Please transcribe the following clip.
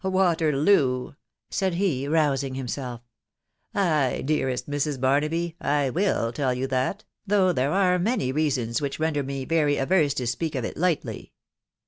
" Waterloo !" said he, rousing himself. ..." Ay, dearest Mrs. Barnaby, I will tell you that, though there are many reasons which render me very averse to speak of it lightly.